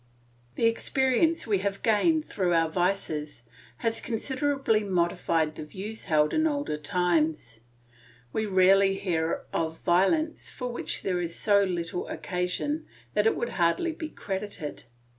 The experience we have gained through our vices has considerably modified the views held in older times; we rarely hear of violence for which there is so little occasion that it would hardly be credited.